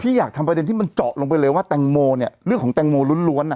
อยากทำประเด็นที่มันเจาะลงไปเลยว่าแตงโมเนี่ยเรื่องของแตงโมล้วนอ่ะ